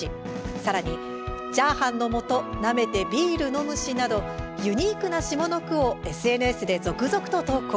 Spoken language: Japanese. さらに「チャーハンのもとなめてビール飲むし」などユニークな下の句をＳＮＳで続々と投稿。